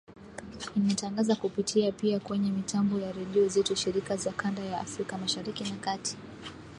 Inatangaza kupitia pia kwenye mitambo ya redio zetu shirika za kanda ya Afrika Mashariki na Kati